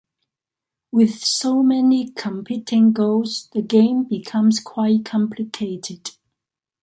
With so many competing goals, the game becomes quite complicated.